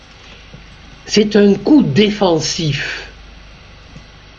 C’est un coup défensif.